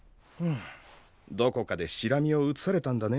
どこかでシラミをうつされたんだね。